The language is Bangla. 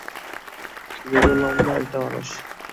রোগা, লম্বা একটি মানুষ।